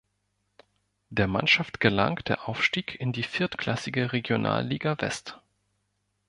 Der Mannschaft gelang der Aufstieg in die viertklassige Regionalliga West.